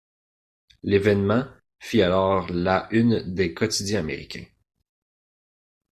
L'évènement fit alors la une des quotidiens américains.